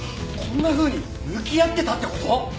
こんなふうに向き合ってたって事？